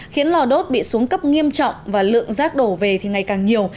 khiến lò đốt bị xuống cấp nghiêm trọng và lượng rác đổ về thì ngày càng nhiều